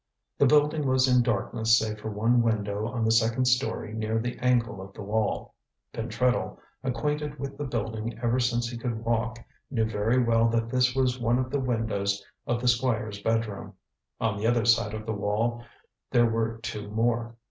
The building was in darkness save for one window on the second storey near the angle of the wall. Pentreddle, acquainted with the building ever since he could walk, knew very well that this was one of the windows of the Squire's bedroom; on the other side of the wall there were two more.